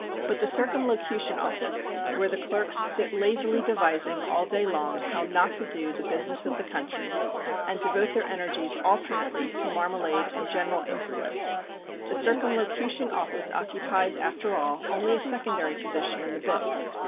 But the "Circumlocution Office," where the clerks sit lazily devising all day long "how not to do" the business of the country, and devote their energies alternately to marmalade and general insolence, the "Circumlocution Office" occupies after all only a secondary position in the book.